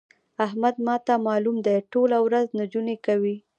احمد ما ته مالوم دی؛ ټوله ورځ نجونې کوي.